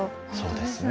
そうですね。